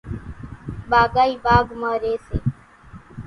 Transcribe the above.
ٻاگھائِي ٻاگھ مان ريئيَ سي۔